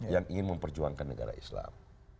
yang ingin memperjuangkan negara islam